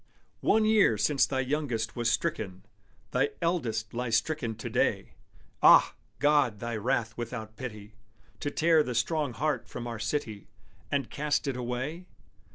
One year since thy youngest was stricken: Thy eldest lies stricken to day. Ah! God, was Thy wrath without pity, To tear the strong heart from our city, And cast it away?